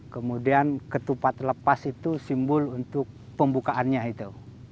kemudian ketupat lepas itu simbol untuk pembukaannya itu